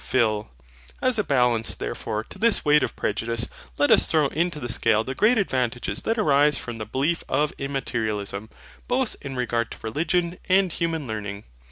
PHIL. As a balance, therefore, to this weight of prejudice, let us throw into the scale the great advantages that arise from the belief of Immaterialism, both in regard to religion and human learning.